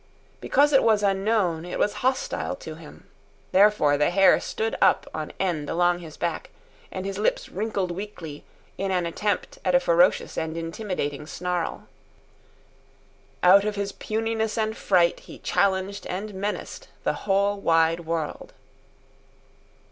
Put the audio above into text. Because it was unknown, it was hostile to him. Therefore the hair stood up on end along his back and his lips wrinkled weakly in an attempt at a ferocious and intimidating snarl. Out of his puniness and fright he challenged and menaced the whole wide world.